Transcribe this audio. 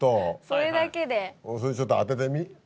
それでちょっと当ててみ。